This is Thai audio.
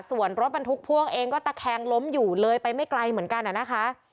ส่วนรถบรรทุกพ่วงเองก็ตะแคงล้มอยู่เลยไปไม่ไกลเหมือนกันนะคะ